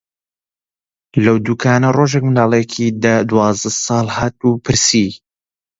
لەو دووکانە ڕۆژێک منداڵێکی دە-دوازدە ساڵە هات پرسی: